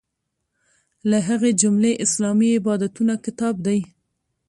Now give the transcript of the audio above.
له هغې جملې اسلامي عبادتونه کتاب دی.